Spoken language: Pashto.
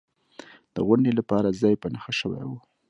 د غونډې لپاره ځای په نښه شوی و.